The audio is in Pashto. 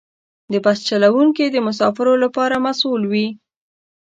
د بس چلوونکي د مسافرو لپاره مسؤل وي.